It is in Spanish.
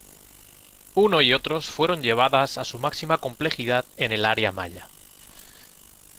Uno y otros fueron llevadas a su máxima complejidad en el Área Maya.